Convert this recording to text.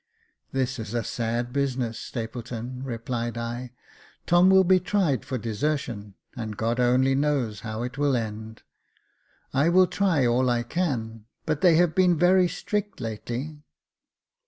"This is a sad business, Stapleton," replied I. "Tom will be tried for desertion, and God knows how it will end. I will try all I can ; but they have been very strict lately."